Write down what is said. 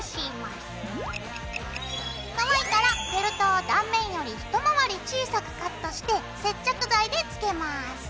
乾いたらフェルトを断面より一回り小さくカットして接着剤でつけます。